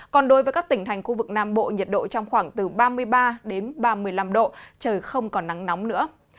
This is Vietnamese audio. còn đối với các tỉnh thành khu vực nam bộ nhiệt độ trong khoảng từ ba mươi ba đến ba mươi năm độ trời không còn nắng nóng nữa